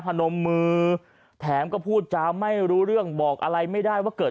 นมมือแถมก็พูดจาไม่รู้เรื่องบอกอะไรไม่ได้ว่าเกิด